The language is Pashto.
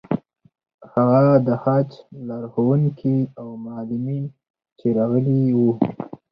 هغه د حج لارښوونکي او معلمین چې راغلي وو.